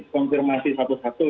dan itu lumayan banyak juga ya